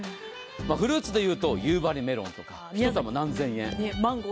フルーツでいうと夕張メロン、一玉、何千円。